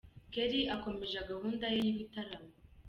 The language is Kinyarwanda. R Kelly akomeje gahunda ye y'ibitaramo.